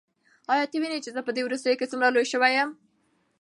ایا ته وینې چې زه په دې وروستیو کې څومره لوی شوی یم؟